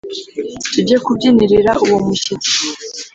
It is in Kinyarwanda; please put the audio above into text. tuje kubyinirira uwo mushyitsi